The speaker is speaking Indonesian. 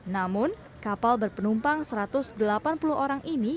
namun kapal berpenumpang satu ratus delapan puluh orang ini